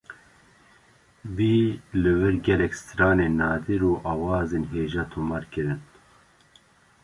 Wî li wir gelek stranên nadir û awazên hêja tomar kirin.